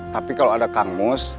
tapi kalau ada kang mus